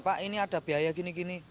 pak ini ada biaya gini gini